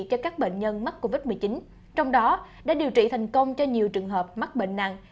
cho các bệnh nhân mắc covid một mươi chín trong đó đã điều trị thành công cho nhiều trường hợp mắc bệnh nặng